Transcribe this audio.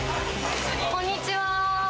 こんにちは。